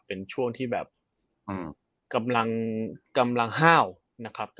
เป็นช่วงที่แบบกำลังห้าวนะครับ